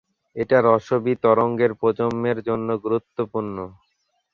এটা রসবি তরঙ্গের প্রজন্মের জন্য গুরুত্বপূর্ণ।